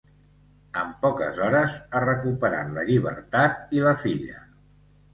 En poques hores ha recuperat la llibertat i la filla.